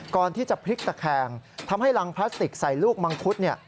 ก่อนที่จะพลิกตะแคงทำให้รังพลาสติกใส่ลูกมังคุดเนี่ย